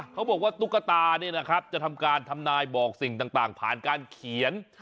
เขาบอกว่าตุ๊กตาเนี่ยนะครับจะทำการทำนายบอกสิ่งต่างผ่านการเขียน